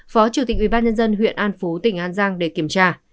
phó chủ tịch ubnd huyện an phú tỉnh an giang để kiểm tra